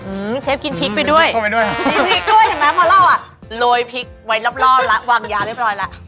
อืมเชฟกินพริกไปด้วยเห็นไหมเพราะเราอ่ะโรยพริกไว้รอบแล้ววางยาเรียบร้อยแล้ว